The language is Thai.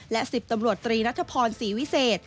และ๑๐ตำรวจตรีนัทพรศรีวิเศษ